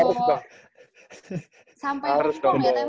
sampai hong kong ya tehmeh